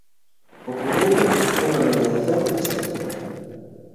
O primeiro, unha mediación externa.